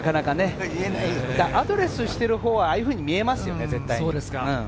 アドレスしている方はああいうふうに絶対見えますよね。